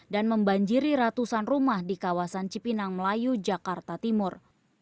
dan membanjiri ratusan rumah di kawasan cipinang melayu jakarta timur